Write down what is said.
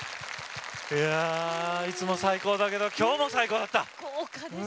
いつも最高だけどきょうも最高だった。